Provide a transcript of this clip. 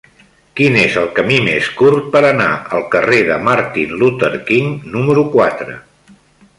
Quin és el camí més curt per anar al carrer de Martin Luther King número quatre?